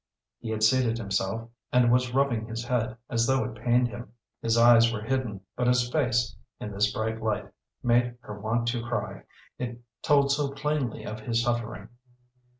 He had seated himself, and was rubbing his head, as though it pained him. His eyes were hidden, but his face, in this bright light, made her want to cry, it told so plainly of his suffering.